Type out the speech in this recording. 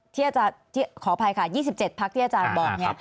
ขออภัยค่ะ๒๗พักที่อาจารย์บอกเนี่ย